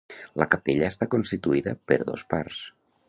La capella està constituïda per dos parts.